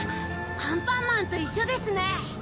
アンパンマンといっしょですね！